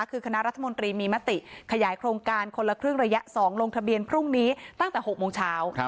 คือคณะรัฐมนตรีมีมติขยายโครงการคนละครึ่งระยะ๒ลงทะเบียนพรุ่งนี้ตั้งแต่๖โมงเช้า